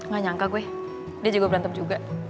gak nyangka gue dia juga berantem juga